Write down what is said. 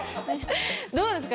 どうですか？